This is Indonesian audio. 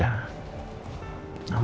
aku harus berhati hati